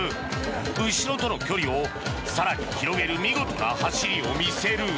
後ろとの距離を更に広げる見事な走りを見せる。